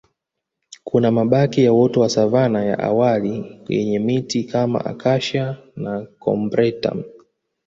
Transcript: Kuna mabaki ya uoto wa savana ya awali yenye miti kama Acacia na Combretum